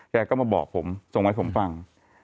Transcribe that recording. เขาก็มาบอกผมส่งไว้ผมฟัง